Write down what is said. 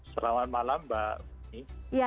selamat malam mbak